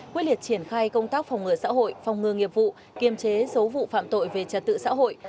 quyết liệt triển khai công tác phòng ngừa xã hội phòng ngừa nghiệp vụ kiêm chế số vụ phạm tội về trật tự xã hội